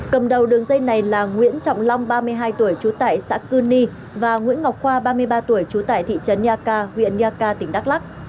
cầm đầu đường dây này là nguyễn trọng long ba mươi hai tuổi chú tải xã cư ni và nguyễn ngọc khoa ba mươi ba tuổi chú tải thị trấn yaka huyện yaka tỉnh đắk lắk